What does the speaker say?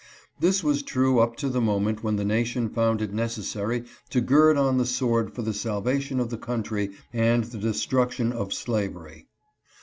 This was true up to the mo ment when the nation found it necessary to gird on the sword for the salvation of the country and the destruction of slavery.